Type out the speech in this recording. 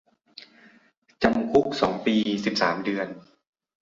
จำคุกสองปี สิบสามเดือน